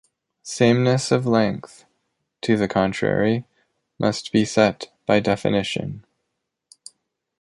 Sameness of length, to the contrary, must be set by definition.